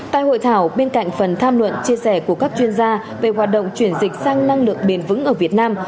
tại hội thảo bên cạnh phần tham luận chia sẻ của các chuyên gia về hoạt động chuyển dịch sang năng lượng bền vững ở việt nam